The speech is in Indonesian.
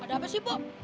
ada apa sih pok